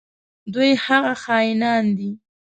دوی هغه خاینان دي.